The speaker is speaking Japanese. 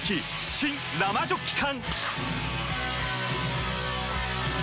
新・生ジョッキ缶！